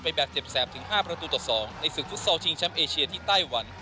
แบบเจ็บแสบถึง๕ประตูต่อ๒ในศึกฟุตซอลชิงแชมป์เอเชียที่ไต้หวัน